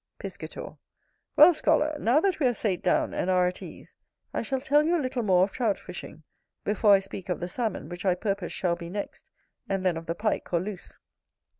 Piscator. Well, scholar, now that we are sate down and are at ease, I shall tell you a little more of Trout fishing, before I speak of the Salmon, which I purpose shall be next, and then of the Pike or Luce.